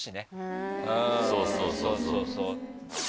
そうそうそうそう。